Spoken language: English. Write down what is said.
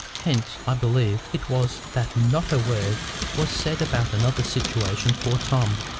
Hence, I believe, it was that not a word was said about another situation for Tom.